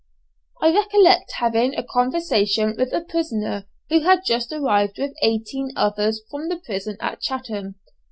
I recollect having a conversation with a prisoner who had just arrived with eighteen others from the prison at Chatham.